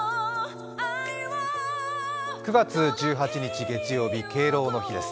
９月１８日月曜日、敬老の日です。